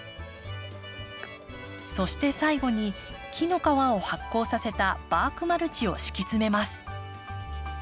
そして最後に木の皮を発酵させたバークマルチを敷き詰めます。